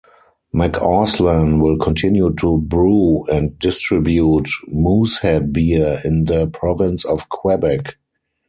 McAuslan will continue to brew and distribute Moosehead beer in the province of Quebec.